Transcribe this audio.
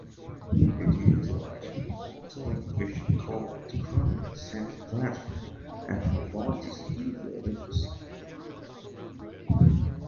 It utilizes the Multi-Link Vision cobalt chromium stent platform and Novartis' everolimus.